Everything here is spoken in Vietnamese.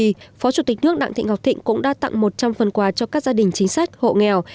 phó chủ tịch nước đặng thị ngọc thịnh cũng đã tặng một trăm linh phần quà cho các gia đình chính sách hộ nghèo